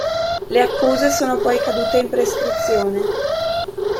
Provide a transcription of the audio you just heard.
Le accuse sono poi cadute in prescrizione.